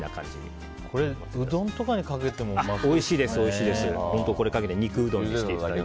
うどんとかにかけてもうまそう。